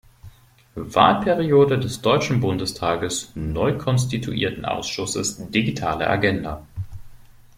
Wahlperiode des Deutschen Bundestages neu konstituierten Ausschusses Digitale Agenda.